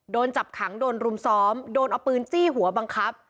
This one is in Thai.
โดนจับขังโดนรุมซ้อมโดนเอาปืนจี้หัวบังคับ